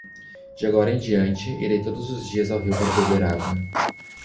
De agora em diante irei todos os dias ao rio para beber água.